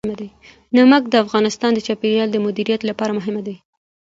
نمک د افغانستان د چاپیریال د مدیریت لپاره مهم دي.